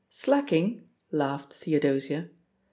''Slacking?" laughed Theodosia.